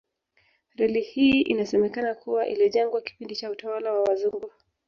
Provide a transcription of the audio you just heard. Reli hii inasemekana kuwa ilijengwa kipindi cha utawala wa wazungu